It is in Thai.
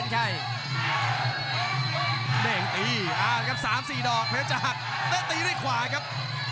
ช่าไส้ล็อคหน่อยครับ